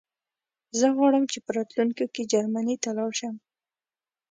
زه غواړم چې په راتلونکي کې جرمنی ته لاړ شم